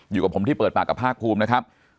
อยู่กับผมที่เปิดปากกับภาคภูมินะครับ